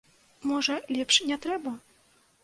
Можа, лепш не трэба?